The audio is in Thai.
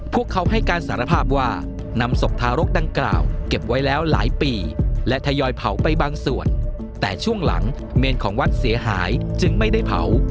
พวกเขาให้การสารภาพว่านำศพทารกดังกล่าวเก็บไว้แล้วหลายปีและทยอยเผาไปบางส่วนแต่ช่วงหลังเมนของวัดเสียหายจึงไม่ได้เผา